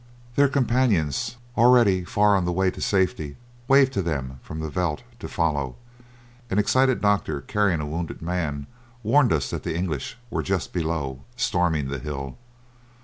Their companions, already far on the way to safety, waved to them from the veldt to follow; an excited doctor carrying a wounded man warned us that the English were just below, storming the hill.